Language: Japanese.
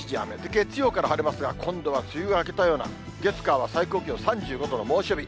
月曜から晴れますが、今度は梅雨が明けたような、月、火は最高気温３５度の猛暑日。